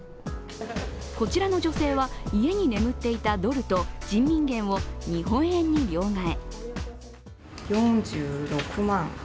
こちらの女性は、家に眠っていたドルと人民元を日本円に両替。